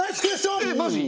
えっマジ！？